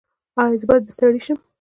ایا زه باید بستري شم؟